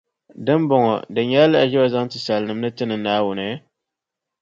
Di ni bɔŋɔ, di nyɛla lahiʒiba n-zaŋ ti nisalinim’ ni tinim Naawuni?